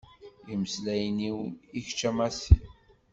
Imeslayen-iw i kečč a Masi.